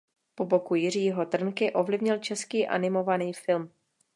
Po boku Jiřího Trnky ovlivnil český animovaný film.